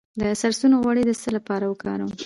د سرسونو غوړي د څه لپاره وکاروم؟